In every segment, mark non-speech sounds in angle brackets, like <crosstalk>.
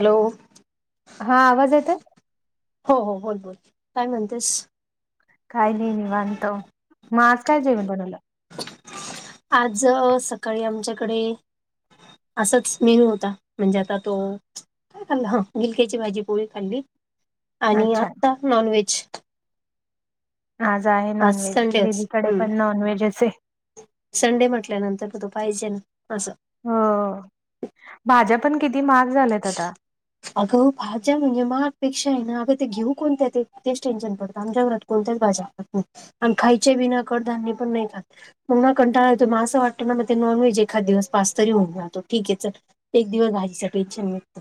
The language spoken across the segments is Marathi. हॅलो! हा आवाज येतोय? हो हो बोल बोल काय म्हणतेस? काही नाही निवांत. मग आज काय जेवण बणाल? आज सकाळी आमच्याकडे असाच मेनू होता म्हणजे आता तो काय खाल्लं ह गिलक्याची भाजी पोळी खाल्ली आणि अच्छा आत्ता नॉन व्हेज. आज आहे आज नॉनव्हेज संडेच दिदीकडे हम्म पण नॉनव्हेजच आहे. संडे म्हटल्यानंतर म तो पाहिजेन असं. हा भाज्या पण किती महाग झाल्यात आता. अगं भाज्या म्हणजे पेक्षा आहे ना अगं ते घेऊ कोणत्या तेच टेन्शन पडतं आमच्या घरात कोणत्याच भाज्या खात नाही आणि खायचे बिना कडधान्य पण नाही खात. मगं ना कंटाळा येतोय, मग असं वाटतं ना मग ते नॉनव्हेज एखाद दिवस बास तरी होऊन राहतो ठीक आहे चल एक दिवस भाजीचा टेन्शन मिटत.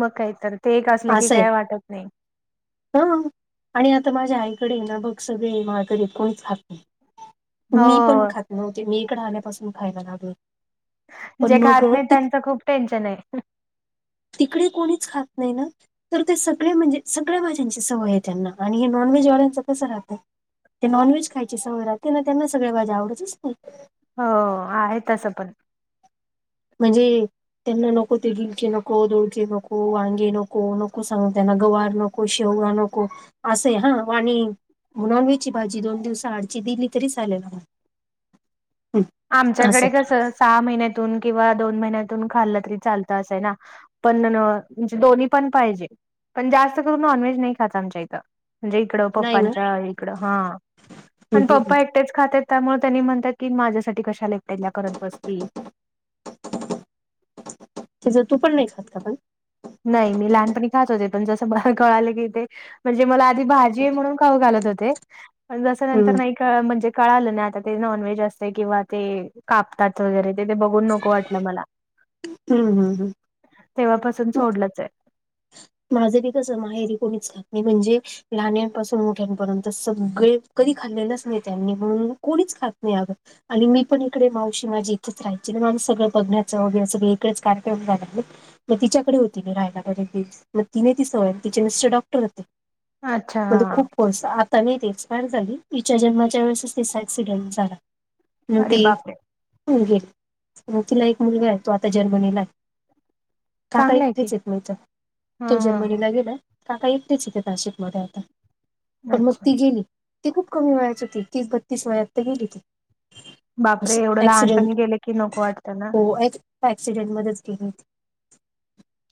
मग काय तर ते एक असले की काय वाटत नाही. हा आणि आता माझ्या आईकडे आहे ना बघ सगळे माळकरी कोणीच खात नाही. मी पण हो खात नव्हते मी इकडे आल्यापासून खायला लागले. पण जे मग खात नाही ति त्यांच खूप टेन्शन आहे. तिकडे कोणीच खात नाही ना! तर ते सगळे म्हणजे सगळ्या भाज्यांची सवय आहे त्यांना आणि हे नॉनव्हेजवाल्यांच कसं राहतय ते नॉनव्हेज खायचे सवय राहते ना त्यांना सगळ्या भाज्या आवडतच नाही. हो आहेत तसं पण. म्हणजे त्यांना नको ते गिलके नको धोळके नको वांगे नको नको सांग त्यांना गवार नको! गवार नको शेवगा नको असा आहे हा वाणी मग नॉनव्हेज ची भाजी दोन दिवस आडची दिली तरी चालेल. हम् आमच्याकडे असं! कसं सहा महिन्यातून किंवा दोन महिन्यातून खाल्लं तरी चालतं असंय ना. पण म्हणजे दोन्ही पण पाहिजे. पण जास्त करून नॉनव्हेज नाही खाचं आमच्या इथं म्हणजे इकड नाही ना हं, पण हं, हं. पप्पा एकटेच खातात त्यामुळे त्यांनी म्हणात माज्या साठी कशाला एकट्याला करत बसती! त्याचं तू पण नाही खात पण? नाही मी लहानपणी खात होते पण जसं मला कळालं की ते म्हणजे मला आधी भाजी आहे म्हणून खाऊ घालत होते जस हम्म नंतर नाही म्हणजे कळालं ना आता ते नॉनव्हेज असते किंवा ते कापतात वगैरे ते बघून नको वाटलं मला. हा तेव्हापासून सोडलंच आहे. माझं बी कसं माहेरी कोणीच खात नाही म्हणजे लहान्यांपासून मोठ्यांपर्यंत सगळे कधी खाल्लेलेच नाही त्यांनी म्हणून कोणीच खात नाही अगं आणि मी पण इकडे मावशी माझी इथेच राहायची माझं सगळं बघण्याचं वगैरे सगळळे इकडेच कार्यक्रम झाणार तर तिच्याकडे होती राहायला बरेच दिवस मग तिने ती सवय तिचे मिस्टर डॉक्टर होते अच्छा म्हण हा. खूप कोर्स आता मी ती एक्सपायर झाली तिच्या जन्माच्या वेळेसच तिचा ऍक्सिडेंट झाला. म अरे ती बापरे मुलगी तिला एक मुलगा आहे तो आता जर्मनीला का का <inaudible> चांगलं आहे की इथेच येत मित हा तो हा जर्मनीला गेला काका येतेच इथे नाशिक मध्ये आता हा पण मग अच्छा. ती गेली. ती खूप कमी वयाची हो त तीस बत्तीस वयात तर गेली ती बापरे असं एवढं लहानपणी ऍक्सिडेंट गेले की नको वाटतं ना, असिसिडेन्ट मध्ये च गेले होते.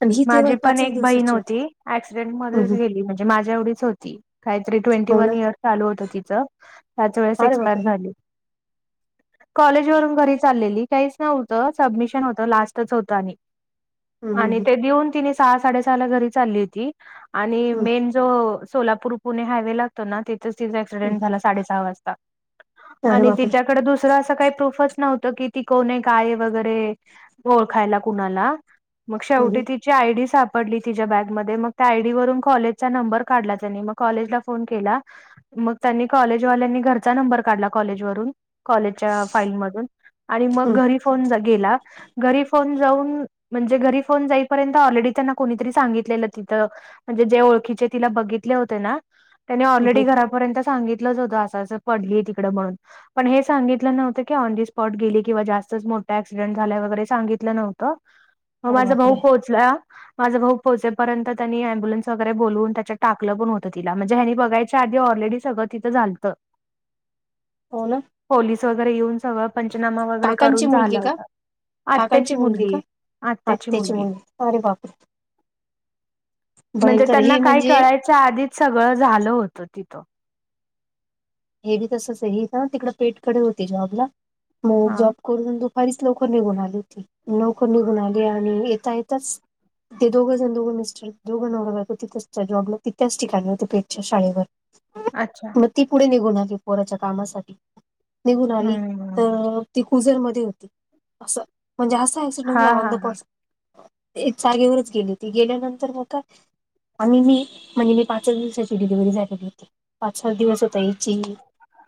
म्हणजे तेव्हा पाचच बहिन दिवसाची होती असिसिडेन्ट मध्ये हम्म, हम्म. गेली, म्हणजे माझ्या एवढीच होती काहीतरी ट्वेंटी हो ना वन इयर चाल होत ति त्याच वेळेस अरे बापरे एक्सपायर झाले. <unintelligible> कॉलेज वरून घरी चाललेली काहीच नव्हतं सबमिशन होतं लास्टच होतं आणि हम हम आणि हम ते देऊन ति सहा साडे सहा घरी चालली होती हम्म, आणिे जो सोलापूर पुणे हायवे लागतो ना तितच तिझा असिसिडेन्ट हम्म. झाला साडे सहा वाजता, अरे आणि बापरे तिच्या कडे दुस तेव्हा असं काही प्रूफच नव्हतं की ती कोणी काय वगैरे ओळखायला कुणाला, मगक्षक. <inaudible> हम्म, तिची आयडि सापडली तिच्या बॅग मध्ये, मग त्या आयडि वरून कॉलेजचा नंबर काढला त्यांनी. मग कॉलेज ला. फोन केला मग त्यांनी कॉलेजवाल्यानी घरचा नंबर काढला कॉलेजवरून. कॉलेजच्या फाईल मधून आणि मग हम्म, घरी फोन गेला घरी फोन जाऊन, म्हणजे घरी फोन जय ंत ऑलरेडी त्यांना कोणीतरी सांगितलेलं तिथं म्हणजे जे ओळखीचे तिला बघितले होते ना त्यानी हम्म. ऑलरेडी घरापर्यंत सांगितलंच होतं असं असं पडली तिकडं म्हणून. पण हे सांगितलं नव्हतं क ऑन दि स्पॉट गेली किंवा जास्तच मोठा ऍक्सिडेंट झाला वगैरे सांगितलं नव्हतं. <unintelligible> मग माझा भाऊ पोहोचला. माझं भाऊ पोहोचेपर्यंत त्यांनी अम्बुन्स वगैरे बोलवून त्यात टाकलं पण होतं ति म्हणजे हनी बघायच्या आधी ऑलरेडी गत तिथं झालतं. हो ना. पोलीस वगैरे येऊन सगळं पंचनामा वगैरे काकांची करून मुलगी झाला का होता काकांची आत्याची का मुलगी आत्याची मुलगी, अरे बाप रे. म्हणजे त्यांना काय कळायच्या आधीच सगळं झालं होतं तिथं. हे बी तसच हे ना तिकड पेठकडे होती जॉबला मग हा जॉब करून दुपारीच लवकर निघून आली होती लवकर निघून आली आणि येता येताच ते दोघं जण दोघं मिस्टर दोघं नवरा बायको तिच त्या जॉबला तिथच त्या ठिकाणी होते पेठच्या शाळेवर. ह. अच्छा. पुढे निघून आली पोराच्या कामासाठी निघून आली, हम्म तर ती कुजरमध्येध्ये होती असं म्हणजे असा असिसिडेन्ट हा झाला ऑन हा द हा. पॉस जागेवरच गेली ती गेल्यानंतर मग काय, आणि मी म्हणजे मी पाच सच दिवसाची डिलिव्हरी झालेली होती पाचवा दिवस होता. याची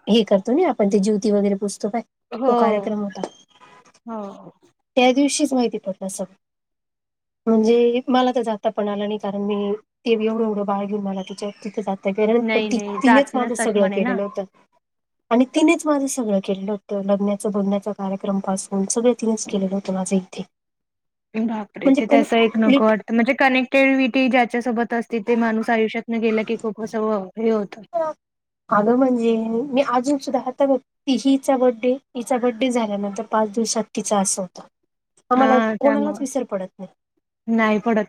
हे करतो ना आपण ते ज्योती वगैरे पूजतो पाय. हो हो. त्या दिवशीच माहिती पडल सगळ. म्हणजे मला तर जाता पण आला नाही कारण मी ते एवढं एवढं बाळ घेऊन मला तिच्यावर तिथं जातं ग पण नाही ति नाही तिनेच जात माझं नसतात सगळं म्हणे ना केलेलं होतं. आणि तिनेच माझं सगळं केलं होतं लग्नाचं बघण्याचा कार्यक्रम पासून सगळ तिनेच केलेलं होतं माझं इथे. बापरे म्हणजे ते त्याच एक नक कम्प्लीट वाट म्हणजे कनेक्टिव्हटी ज्याच्यासोबत असती ते माणूस आयुष्यातनं गेला की खूप असं हे होतं. अगं म्हणजे मी अजून सुद्धा हात तीहीचा बड्डे हिचा बड्डे झाल्यानंतर पाच दिवसात तिचा अस होत. आम्हाला हां, कोणालाच त्यामुळं विसर पडत नाही. नाही पडत.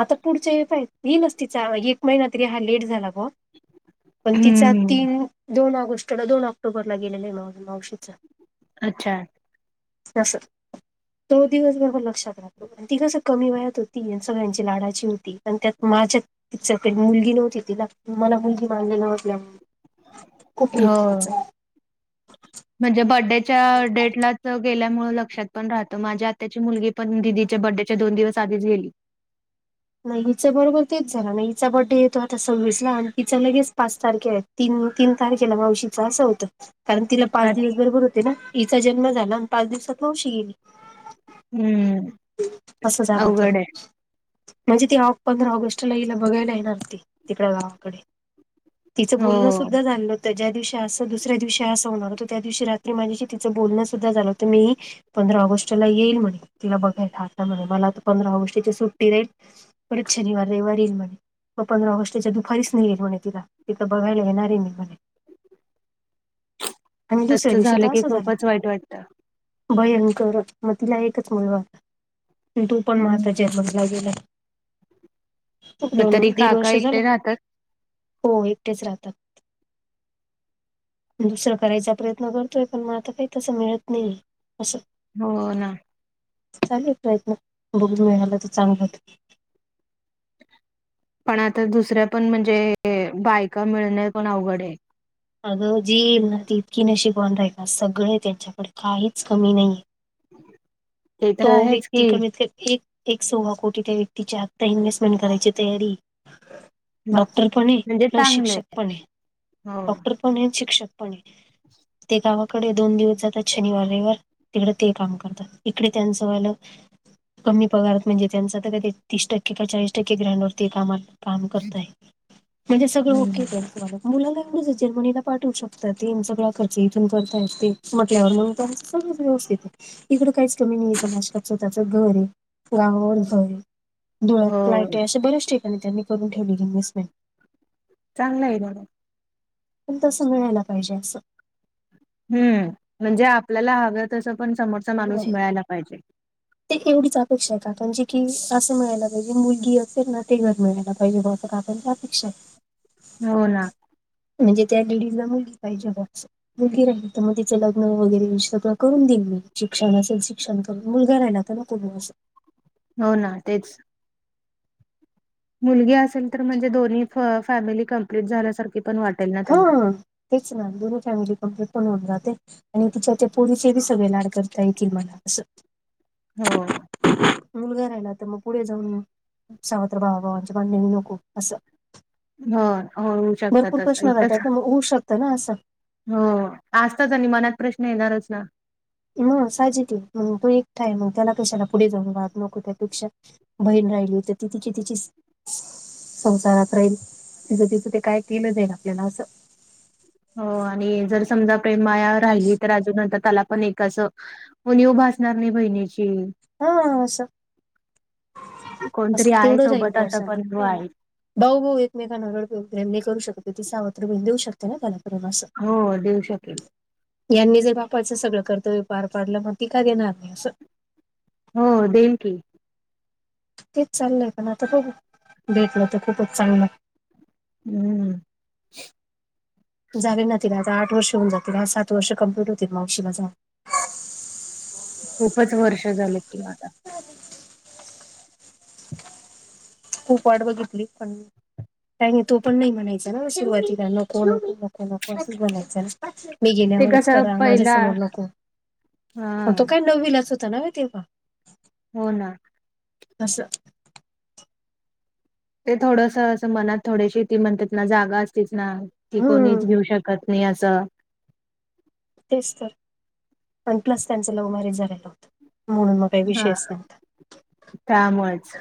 आता पुढच्या पा येईलच तिचा एक महिना तरी हा लेट झाला ग. <inaudible> पण तिचा हम्म. तीन दोन ऑगस्टला दोन ऑक्टोबरला गेलेला आहे नवरा मावशीचा. अच्छा तस तो दिवस बरोबर लक्षात राहतो. ती कसं कमी वयात होती सगळ्यांची लाडाची होती आणि त्यात माझ्या तिच्या कड मुलगी नव्हती तिला मला मुलगी मानलेलं असल्यामुळे हो. <unintelligible> म्हणजे बड्डेच्या डेटलाच गेल्यामुळे लक्षात पण राहतं माझ्या आत्याची मुलगी पण दिदी च्या बड्डे च्या दोन दिवस आधीच गेली. नाही हिचं बरोबर तेच झालं नाही हिचा बड्डे येतो आता सव्वीसला आणि तिचा लगेच पाच तारखे आहे. तीन तीन तारखेला मावशीचा असं होतं. कारण तिला पाच दिवस बरोबर होते ना हिचा जन्म झाला आणि पाच दिवसात मावशी गेली. हम्म. असं झालं होतं. अवघड आहे. म्हणजे ती पंधरा ऑगस्टला हिला बघायला येणार ती तिकडं गावाकडे. तिचं बोलनं हो. सुद्धा झालं. ज्या दिवशी असं दुसऱ्या दिवशी असं होणार होत त्या दिवशी रात्री माझ्याशी तिचं बोलणं सुद्धा झालं होत मीही पंधरा ऑगस्ट ला येईल म्हणे तिला बघायला आता म्हणे मला तर पंधरा ऑगस्ट ची सुट्टी राहील. परत शनिवार रविवार येईल म्हणे. मग पंधरा ऑगस्टच्या दुपारीच नाही येईल म्हणे तिला तिथं बघायला येणार आहे मी म्हणे. आणि दुसऱ्या तसं दिवशी तर की असं झालं. खूपच वाईट वाटतं. भयंकर मग तिला एकच मुलगा होता तो पण मा आता हम्म. जर्मनीला गेलाय मग दोन तरी दीड काका वर्ष झाले. एकटे राहतात. हो एकटेच राहतात. दुसरं करायचा प्रयत्न करतोय पण म आता काही तसं मिळत नाही असं. हो ना. चालेत प्रयत्न बघ मिळाला तर चांगलं होत. पण आता दुसऱ्या पण म्हणजे बायका मिळनं पण अवघड आहे. अगं जी येईल ना ती इतकी नशीबवान राहिल सगळे आहे त्यांच्याकडे काहीच कमी नाहीये. ह. तो व्यक्ती कमी एक सव्वा कोटी त्या व्यक्तीच्या आत्ता इन्व्हेस्टमेंट करायची तयारी. बापरे डॉक्टर पण हे म्हणजे प्लस चांगलंय शिक्षक पण हे हो डॉक्टर. प शिक्षक पण हे ते गावा कडे दोन दिवस जातात शनिवार रविवार तिकडे ते काम करतात इकडे त्यांचं वालं. कमी पगारात म्हणजे त्यांचा तर का ते तीस टक्के का चाळीस टक्के ग्रँडवरती काम आलं. काम करताय म्हणजे सगळं ओके हम्म चं हाय ना तुमाला मुलांना एवढं जर्मनीला पाठवू शकतात ते, सगळा खर्च इथून करताय ते म्हटल्यावर मग. सगळ व्यवस्थित आहे. इकडं काहीच नाही. कमी नाही नाशकात त्याच स्वतःचं घर आहे. गावावर घर आहे. डोळ्यात हो लाईट अशा बऱ्याच ठिकाणी त्यांनी करून ठेवले इएनवेसमेंट. चांगलं आहे ना मग. पण तसं मिळायला पाहिजे असं. हम्म, म्हणजे आपल्याला हवं तसं, पण समोरचा माणूस नाही मिळायला पाहिजे. <inaudible> एवढीच अपेक्षा का म्हणजे की असं मिळायला पाहिजे. मुलगी असेल ना ते घर मिळायला पाहिजे बरं असं का. पण त्यापेक्षा.. हो ना. म्हणजे त्या लेडीजला मुलगी पाहिजे होती. मुलगी राहिल तर मग तिचं लग्न वगैरे सगळं करून देईन मी, शिक्षण असेल शिक्षण करून देईन. मुलगा राहिला त्यांना कोण मग असं हो ना तेच. मुलगी असेल तर म्हणजे दोनी फॅमिली कंप्लीट झाल्यासारखी पण वाटेल ना हा त्यांना तेच ना, दोन्ही फॅमिली कंप्लीट पण होऊन जातील. आणि तिच्या त्या पोरीचे बी, सगळे लाड करता येतील मला असं. हो. मुलगा राहिला तर मग पुढे जाऊन सावित्र भावभावनांचे भांडण नको असं. हा हो. भरपूर शकतात प्रश्न असं राहतात इथच तर मग होऊ शकतं ना असं? हो असताच मनात प्रश्न येणारच ना? मग सायजिक आहे, मग तो एकटा आहे, मग त्याला कशाला पुढे जाऊन राहत नको त्यापेक्षा बहीण राहिली होती. ती तिची तिची संसारात राहील म्हणजे तिथं ते काय केलं जाईल आपल्याला असं? हो आणि जर समजा प्रेमाया राहिली तर अजून नंतर त्याला पण एक अस ऊनिव भासणार नाही बहिणीची. हा असं, अस कोणतरी आहे तेवढं राहील सोबत ग असं पण हा आहे भाऊ भाऊ एकमेकांना रडून प्रेम नाही करू शकत त स सावत्र बहीन देऊ शकते ना त्यांना सगळ्यांना असं हो देऊ शकेल? यांनी जर बापाचं सगळं कर्तव्य पार पाडलं मग ती काय देणार नाही असं हो देइल की तेच चाललंय पण आता बघु, भेटलं तर खूपच चांगलं हाय. हम्म झाली ना ती र आठ वर्ष होऊन जातील आज सात वर्ष कंप्लीट होतील मावशीला जाऊन. खूपच वर्ष झाले कि चाले खूप वाट बघितली, पण काही तो पण नाही म्हणायचा ना सुरुवातीला नको नको न च बलायचं ना मी ते गेण्यावरच कसं करा माझ्या पहिला समोर नको. हा तो काय नववीलाच होता ना तेव्हा हो ना. असं. ते थोडस असं मनात थोडेशी ती म्हणतात ना जागा असतीच ना ती हम्म कोणीच घेऊ शकत नाही आज तेच तर, आणि प्लस त्यांचं लव्ह मॅरेज झायला होतं म्हणून मग काही हा विषयच नव्हता त्यामुळेच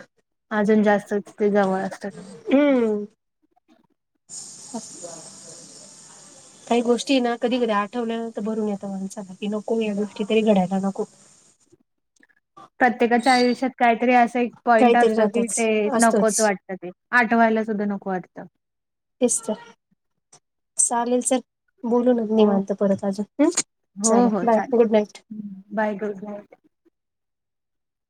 अजून जास्तच ते जवळ असतात. हम् काही गोष्टी ना कधी कधी आठवल्या तर भरून येतं. माणसाला की नको या गोष्टी तरी घडायला नको. प्रत्येकाच्या आयुष्यात काहीतरी असं एक पॉईंट काहीतरी असतो की राहतच ते नकोच असतोच वाटतं. आठवायला सुद्धा नको वाटतं. तेच तर चालेल चल बोलू मग हो निवांत परत अजून हु चालेल बाय गुड नाईट. हम्म बाय गुड नाईट